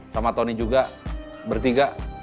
sama tony juga bertiga